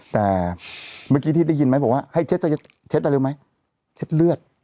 แต่เมื่อกี้ที่ได้ยินไหมบอกว่าให้เช็ดเช็ดเช็ดได้เร็วไหมเช็ดเลือด